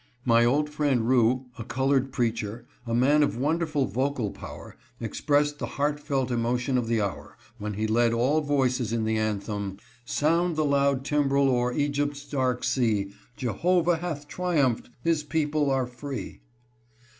My old friend Rue, a colored preacher, a man of wonderful vocal power, expressed the heartfelt emotion of the hour, when he led all voices in the anthem, " Sound the loud timbrel o'er Egypt's dark sea, Jehovah hath triumphed, his people are free."